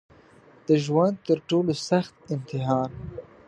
د ژوند تر ټولو سخت امتحان